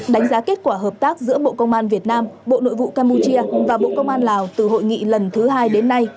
đánh giá kết quả hợp tác giữa bộ công an việt nam bộ nội vụ campuchia và bộ công an lào từ hội nghị lần thứ hai đến nay